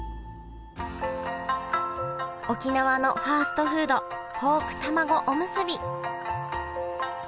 沖縄のファストフードポークたまごおむすび。